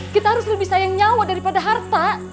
kita harus lebih sayang nyawa daripada harta